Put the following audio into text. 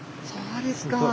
そうですか。